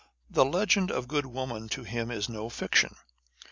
The legend of good women is to him no fiction.